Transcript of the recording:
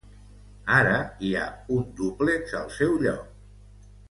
Ara hi ha un dúplex al seu lloc.